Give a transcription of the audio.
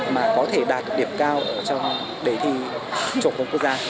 mà có thể đạt được điểm cao trong đề thi chủ công quốc gia